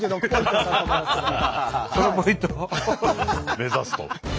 目指すと。